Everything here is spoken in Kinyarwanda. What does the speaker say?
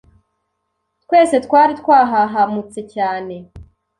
Twese twari twahahamutse cyane